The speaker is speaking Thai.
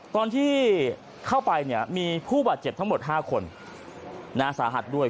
ตอนที่เข้าไปเนี่ยมีผู้บาดเจ็บทั้งหมด๕คนสาหัสด้วย